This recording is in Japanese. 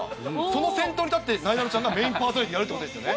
その先頭に立ってなえなのちゃんが、メインパーソナリティーやるってことですよね？